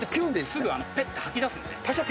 すぐペッて吐き出すんで。